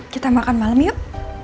kita makan malam yuk